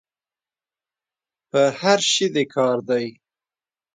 په هر شي دي کار دی.